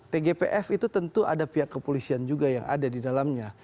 tgpf itu tentu ada pihak kepolisian juga yang ada di dalamnya